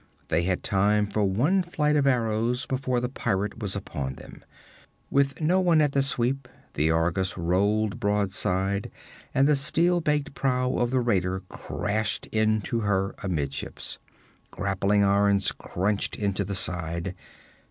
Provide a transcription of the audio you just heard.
They had time for one flight of arrows before the pirate was upon them. With no one at the sweep, the Argus rolled broadside, and the steel baked prow of the raider crashed into her amidships. Grappling irons crunched into the side.